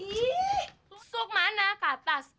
ih susuk mana keatas